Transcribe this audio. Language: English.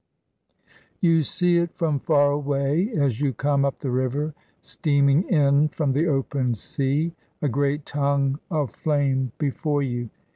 You see it from far away as you come up the river, steaming in from the open sea, a great tongue of flame before you.